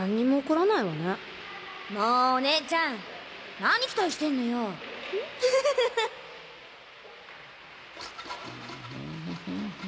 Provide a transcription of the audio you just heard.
もうお姉ちゃん何期待してんのよん？